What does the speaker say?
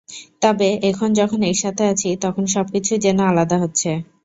তবে এখন যখন একসাথে আছি, তখন সবকিছুই যেন আলাদা হচ্ছে।